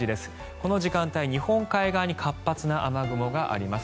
この時間帯、日本海側に活発な雨雲があります。